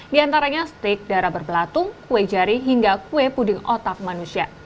di antaranya steak darah berbelatung kue jari hingga kue puding otak manusia